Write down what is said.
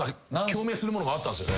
共鳴するものがあったんすよね？